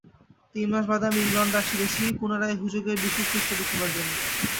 তিনমাস বাদে আমি ইংলণ্ডে আসিতেছি, পুনরায় হজুগের বিশেষ চেষ্টা দেখিবার জন্য।